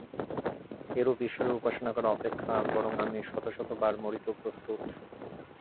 এরূপ ঈশ্বরের উপাসনা করা অপেক্ষা বরং আমি শত শত বার মরিতেও প্রস্তুত।